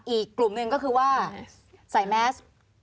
อีกกลุ่มหนึ่งก็คือว่าใส่แมส